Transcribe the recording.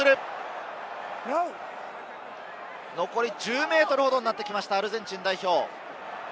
残り１０ｍほどになってきました、アルゼンチン代表。